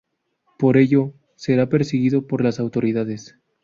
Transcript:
Por ello, será perseguido por las autoridades.